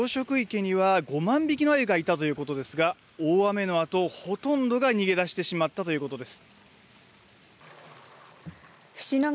こちらの養殖池には５万匹のアユがいたということですが大雨の後ほとんどが逃げ出してしまったということです。